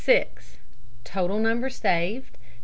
Total number saved, 705.